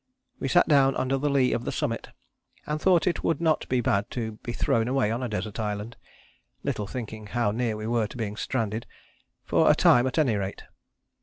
"We sat down under the lee of the summit, and thought it would not be bad to be thrown away on a desert island, little thinking how near we were to being stranded, for a time at any rate.